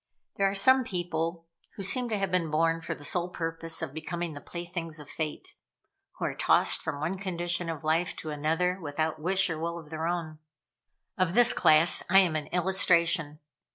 There are some people who seem to have been born for the sole purpose of becoming the playthings of Fate who are tossed from one condition of life to another without wish or will of their own. Of this class I am an illustration.